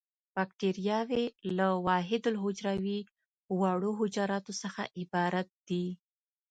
باکټریاوې له وحیدالحجروي وړو موجوداتو څخه عبارت دي.